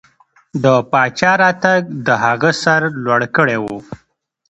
د پاچا راتګ د هغه سر لوړ کړی و.